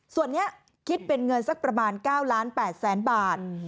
ส่วนนี้คิดเป็นเงินสักประมาณ๙๘๐๐๐๐๐บาท